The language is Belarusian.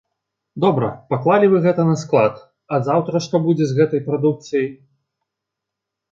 Добра, паклалі вы гэта на склад, а заўтра што будзе з гэтай прадукцыяй?